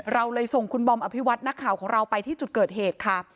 เราเลยส่งคุณบอมอภิวัตินักข่าวของเราไปที่จุดเกิดเหตุค่ะ